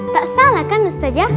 tak salah kan ustadzah